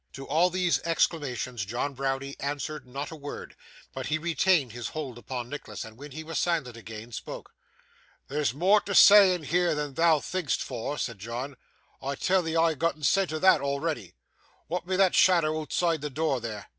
To all these exclamations John Browdie answered not a word, but he retained his hold upon Nicholas; and when he was silent again, spoke. 'There's more to say and hear than thou think'st for,' said John. 'I tell'ee I ha' gotten scent o' thot already. Wa'at be that shadow ootside door there?